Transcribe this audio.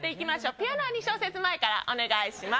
ピアノは２小節前からお願いします。